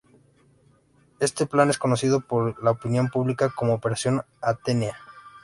Este plan es conocido por la opinión pública como "Operación Atenea".